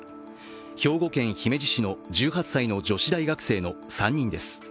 兵庫県姫路市の１８歳の女子大学生の３人です。